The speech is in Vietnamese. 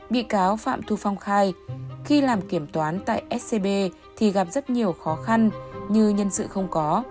bị cáo phạm thu phong khai khi làm kiểm toán tại scb thì gặp rất nhiều khó khăn như nhân sự không có